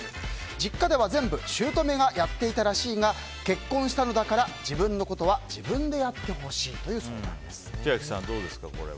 実家では全部姑がやっていたらしいが結婚したのだから自分のことは自分でやってほしいという千秋さん、どうですか？